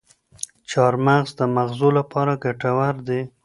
چارمغز د ماغزو لپاره ګټور دي.